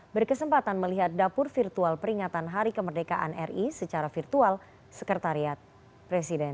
berkesempatan melihat dapur virtual peringatan hari kemerdekaan ri secara virtual sekretariat presiden